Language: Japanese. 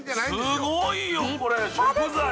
すごいよこれ食材。